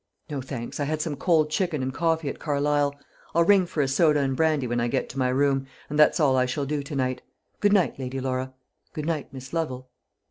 "No, thanks; I had some cold chicken and coffee at Carlisle. I'll ring for a soda and brandy when I get to my room, and that's all I shall do to night. Good night, Lady Laura; good night, Miss Lovel."